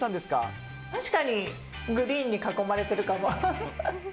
確かにグリーンに囲まれてるかも。